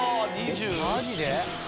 マジで？